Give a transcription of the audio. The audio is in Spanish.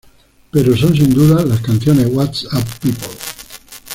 Pero son sin duda las canciones "What's Up, People?!